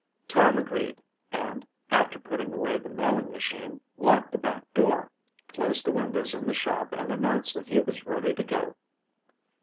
Tom agreed and, after putting away the mailing machine, locked the back door, closed the windows in the shop and announced that he was ready to go.